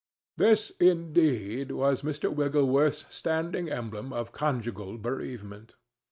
This, indeed, was Mr. Wigglesworth's standing emblem of conjugal bereavement.